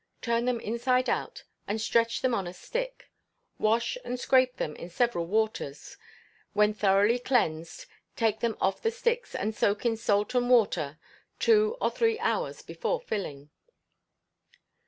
Turn them inside out, and stretch them on a stick; wash and scrape them in several waters. When thoroughly cleansed, take them off the sticks, and soak in salt and water two or three hours before filling.